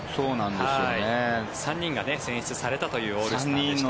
３人が選出されたというオールスターでした。